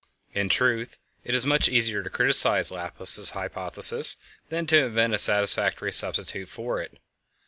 In truth, it is much easier to criticize Laplace's hypothesis than to invent a satisfactory substitute for it.